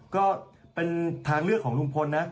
ก็เป็นทางเลือกของลุงพลนะ